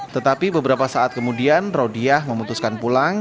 tetapi beberapa saat kemudian rodiah memutuskan pulang